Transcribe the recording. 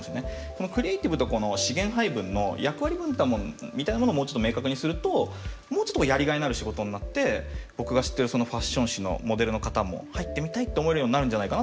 このクリエイティブとこの資源配分の役割分担みたいなものをもうちょっと明確にするともうちょっとやりがいのある仕事になって僕が知ってるそのファッション誌のモデルの方も入ってみたいって思えるようになるんじゃないかなと思うんですよね。